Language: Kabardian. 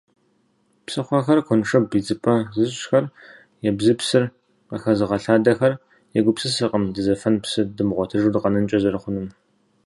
Псыхъуэхэр куэншыб идзыпӀэ зыщӀхэр, ебзыпсыр къыхэзыгъэлъадэхэр егупсысыркъым дызэфэн псы дымыгъуэтыжу дыкъэнэнкӀэ зэрыхъунум.